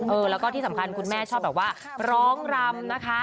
เออแล้วก็ที่สำคัญคุณแม่ชอบแบบว่าร้องรำนะคะ